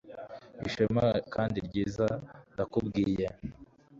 ishema kandi ryiza ndakubwiye